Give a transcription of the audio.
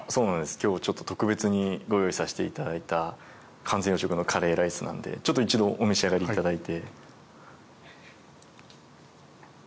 今日ちょっと特別にご用意させていただいた完全栄養食のカレーライスなのでちょっと一度お召し上がりいただいて。